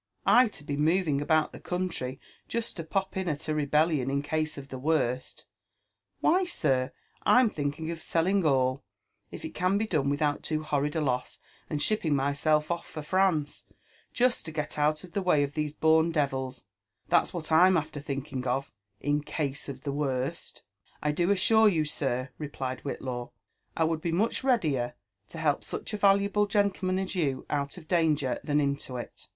I to be moving about the eountry just to pop in at a rebellion in case of the worst ! Why, sir, I'm thinking of selling all, if it can be done without loo horrid a loss^ lind shipping myself off for France, just td get out of the way of these born devils, — that's what I'm after thinking of in case of the wonL" " I do assure you, sir, replied Whitlaw, '* I would be much readier to help tuch a valuable gentleman as you out of danger than into it.